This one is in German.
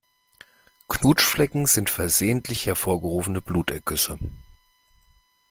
Knutschflecke sind versehentlich hervorgerufene Blutergüsse.